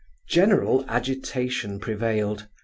General agitation prevailed.